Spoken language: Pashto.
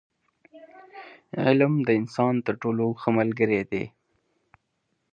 • علم، د انسان تر ټولو ښه ملګری دی.